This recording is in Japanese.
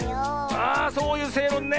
あそういうせいろんね。